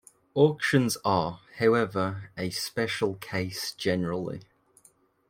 Auctions are, however, a special case generally.